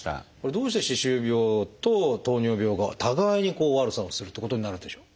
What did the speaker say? どうして歯周病と糖尿病が互いに悪さをするってことになるんでしょう？